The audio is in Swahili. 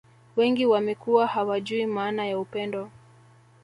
Wengi wamekuwa hawajui maana ya upendo